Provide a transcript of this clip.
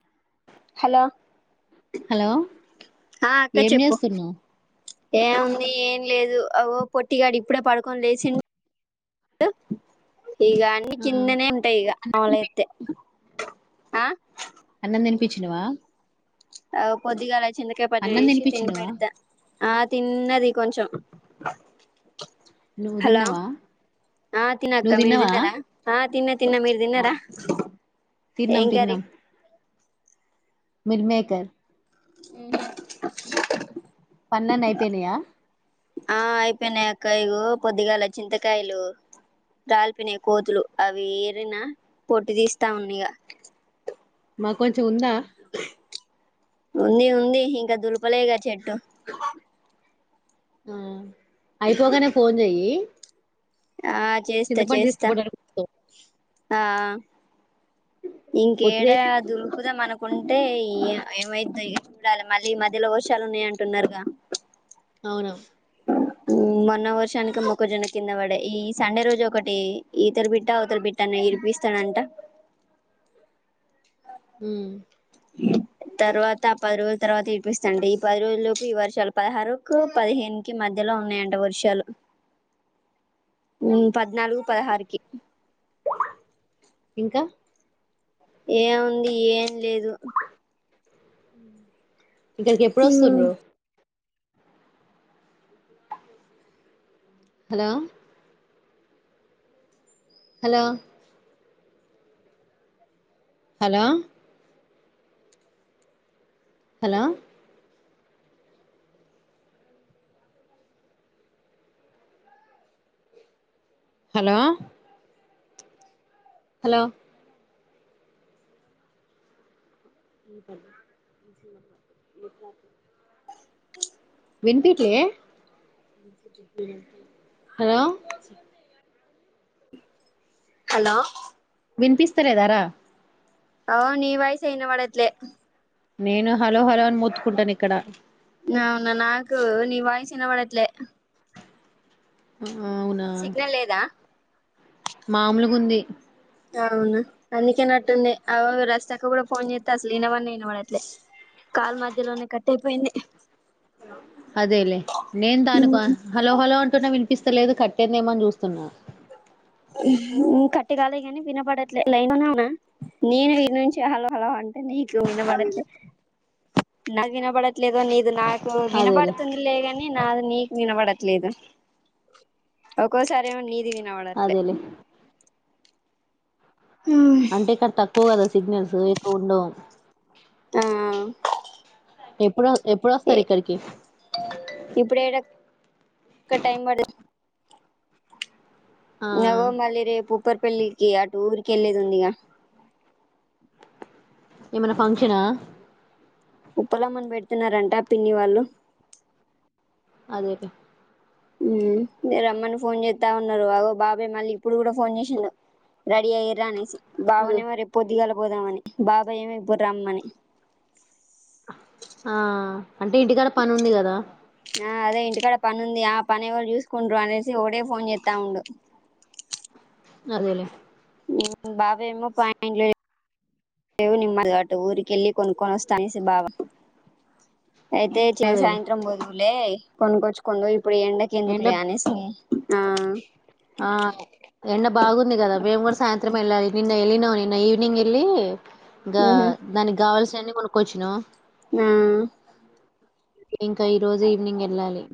hello hello ఆ అక్క ఏం చెప్పు చేస్తున్నా ఏముంది ఏం లేదు అగొ పొట్టిగాడు ఇప్పుడే పడుకొని లేచిం డు ఈగ అన్ని ఆ కిందనే ఉంటా ఈ ఆల అతే ఆ అన్నంద అనిపించినవా అవు పొదిగాాల చందకాయ పటసి తినిపించినవా తిబడద ఆ తిన్నది కొంచం నువ్వు హలో తిన్నావా ఆ తిన నువ్వు అక్క మీర్ తిన్నావా దన్నార ఆ తిన్న తిన్న మీర్ ఆ దన్నార తిన్నాం ఏం కర్రీ మిర్మేకర్ ఉహు [inaudible] పనులన్నీ అయిపోయినాయా ఆ అయిపోయినయి అక్కయిగ పొద్దిగాల చింతకాయలు రాలిపినయి కోతులు అవి ఏరినా పొట్టు తీస్తా ఉన్నా ఇగ మాకు కొంచెం ఉందా ఉంది ఉంది ఇంకా దు వలేగా చెటు ఆ అయిపోగానే ఫోన్ చెయ్యి ఆ చేస్తా చింతపండు చేస్తా తీసుకోపోవడానికి వస్తాం ఆ ఇంకడ పొట్టిదే అ దలుపుమనకు కుంటే ఏమైతు చూడాలి మళ్ళీ మధ్యలో వర్షాలు ఉన్నాయ అంటున్నారుగా అవును మొన్న వర్షానికి మొక్కజొన్న కింద పడే ఈ సండే రోజు ఒకటి ఇతర బిడ్ట్ట అతల బిడ్ట్ట అనే గిలిపిస్తాడంట ఉం తర్వాత ఆ పది రోజుల తర్వాత ఇనిపిస్త అంటే ఈ పది రోజు లోపు ఈ వర్షాలు పదహారుకు పదిహేను క మధ్యలో ఉన్నాయంట వర్షాలు ప నాలుగు పదహారుకి ఇంకా ఏముంది ఏం లేదు అ ఇక్కడికి ఎప్పుడు వస్తుండ్ర hello hello hello hello hello hello విన్పిట్లే హలో హలో వినిపిస్తలేదారా అవు నీ వయిసా ఇన్న వాడత్లే నేను హలో హలో అని మూతుకుంటాను ఇక్కడ అవునా నాకు నీ వయిసు ఎన్న పడట్లే అ సిగ్నల్ లేదా మామూలుగా ఉంది అవును అందుకేనట్టుంది అ రస్తక కూడా ఫోన్ చేస్తే అసలు వినవడిని వినవడట్లే కాల్ మధ్యలోనే కట్ అయిపోయింది అదేలే నేను దానికి హలో హలో అంటున్నా విన్ ఇపిస్తలేదు కట్టేందేమని చూస్తున్నా కట్టిగాల కాని వినపడట్లేదు లైన్న్నావునా నేను వీ నుంచి హలో హలావు అంటా నీకు వినబడట్లే నాగనా బా లేదో నీది నాకు అదేలే వినపడుతుంది లే కాని నాది నీకు వినపడ లేద ఒక్కోసారి ఏమో నీది వినవడది అదేలే అంటే ఇక్కడ తక్కువ కదా సిగ్నల్స్ ఎకు ఉండో ఆ ఎప్పుడు ఎప్పుడు వస్తారు ఇక్కడికి ఇంకా టైం పడుతూ ఆ నగోమలే రేపు ఉప్పర్పల్లికి ఆ టఊరికి వెళ్ళదు ఉంది ఇక ఏమనా ఫంక్షనా ఉప్పలమ్మన పెడుతున్నారంట పిన్ని వాళ్ళు అదే అదే మీర అమ్మను ఫోన్ చేస్తా ఉన్నారు అ బాబ అబే మళ్ళీ ఇప్పుడు కూడా ఫోన్ చేసిండు రెడీ అయ్యరా అనేసి అదే బావనే మరి పొద్దిగాల పోదామని బాబాయ ఏమో ఇప్పుడు రమ్మని ఆ అంటే ఇంటికాడ పని ఉంది కదా ఆ అదే ఇంటికాడ పని ఉంది ఆ పని ఎవళు చూసుకుంటారు అనేసి ఒకటే ఫోన్ చేస్తా ఉండు అదేలే బాబ ఏమో పం లే దేవు నిమ్ మగాటు ఊరికెళ్ కొనుకన స్థానిసి బాబ అయితే చి అదేలే సాయంత్రం వదువులే కొనుకొచ్చుకొండోయ్ ఎండ ఆ ఎండ బాగుందిగదా మేం గుడా సాయంత్రం ఎళ్ళాలి నిన్న ఎళ నవ నిన్న ఈవనింగ్ ఎి ఇకా మ్మ్ దానికి కావాల్సిన ఎన్ని కొనుగొచ్చినో ఉమ్ ఇంకా ఈ రోజు ఈవినింగ్ వెళ్ళాలి